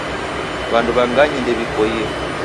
W'andu w'a nganyi ndew'ipoie